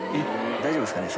大丈夫ですかね？